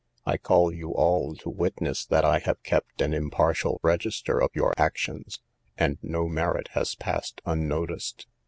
I call you all to witness that I have kept an impartial register of your actions, and no merit has passed unnoticed.